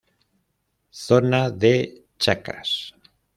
Zona de Chacras.